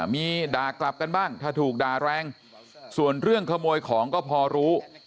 มีด่ากลับกันบ้างถ้าถูกด่าแรงส่วนเรื่องขโมยของก็พอรู้